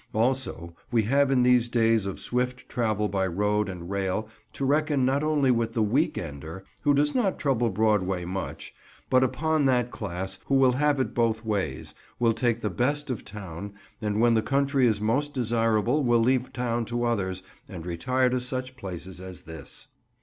Also we have in these days of swift travel by road and rail to reckon not only with the "week ender" (who does not trouble Broadway much), but upon that class who will have it both ways, will take the best of town, and when the country is most desirable will leave town to others and retire to such places as this.